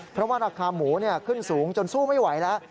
เพราะว่าราคาหมูขึ้นสูงจนสู้ไม่ไหวแล้ว